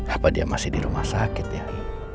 apa dia masih di rumah sakit ya